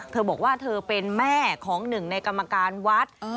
เธอบอกว่าเธอเป็นแม่ของหนึ่งในกรรมการวัด